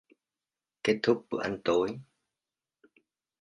Kết thúc bữa ăn tối